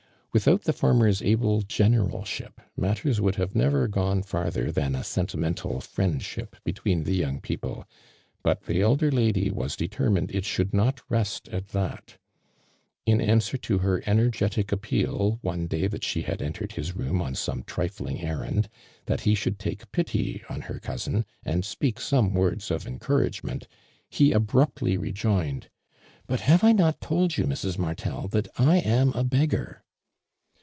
Without the former's able generalship, matters would have nevei' gone farther than 11 sentimental friendship between the young })eople, but the elder lady was determined it should not rest at that. In answer to lier energetic appeal one day that she had enteied his room on some trifling errand, that he should take pity o>i her cousin and speak some words of encouragement, he !ibrui)tly rejoined: ''But have I not told you, Mrs. Martel, that I am a beggar?''